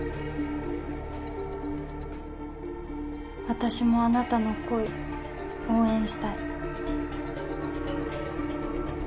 私もあなたの恋応援したい。